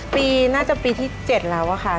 ปีน่าจะปีที่๗แล้วอะค่ะ